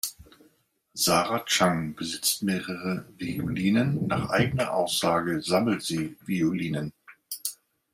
Sarah Chang besitzt mehrere Violinen, nach eigener Aussage sammelt sie Violinen.